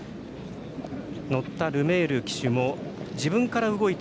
乗ったルメール騎手も自分から動いて